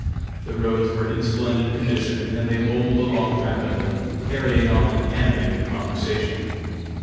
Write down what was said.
The roads were in splendid condition, and they bowled along rapidly, carrying on an animated conversation.